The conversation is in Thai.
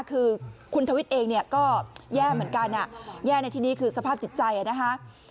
คือคุณทวิทย์เองเนี่ยก็แย่เหมือนกันแย่ในที่นี่คือสภาพจิตใจนะคะ